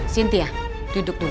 cynthia duduk dulu